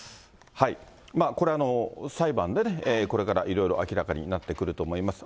これ、裁判でね、これからいろいろ明らかになってくると思います。